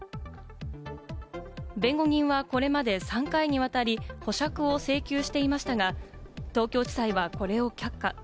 弁護人はこれまで３回にわたり保釈を請求していましたが、東京地裁は、これを却下。